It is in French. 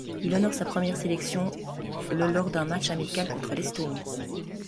Il honore sa première sélection le lors d'un match amical contre l'Estonie.